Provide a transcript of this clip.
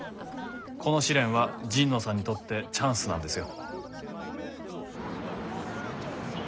この試練は神野さんにとってチャンスなんですよ。